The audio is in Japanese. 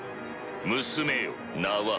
娘よ名は？